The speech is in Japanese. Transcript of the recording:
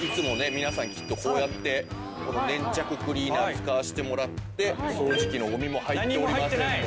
皆さんきっとこうやってこの粘着クリーナー使わせてもらって掃除機のゴミも入っておりませんので。